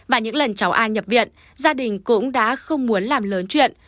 và những lần cháu an nhập viện gia đình cũng đã không muốn làm lớn chuyện